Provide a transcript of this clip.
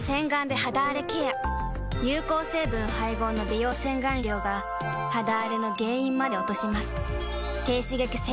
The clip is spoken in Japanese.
有効成分配合の美容洗顔料が肌あれの原因まで落とします